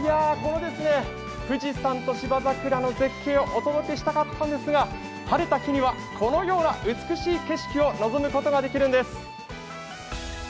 いやぁ、この富士山と芝桜の絶景をお届けしたかったんですが、晴れた日にはこのような美しい景色を望むことができるんです。